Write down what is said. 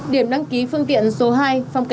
điểm đăng ký phương tiện số hai